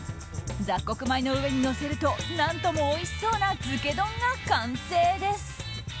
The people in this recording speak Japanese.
雑穀米の上にのせると何ともおいしそうな漬け丼が完成です！